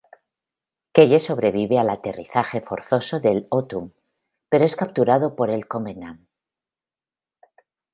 Keyes sobrevive al aterrizaje forzoso del "Autumn", pero es capturado por el Covenant.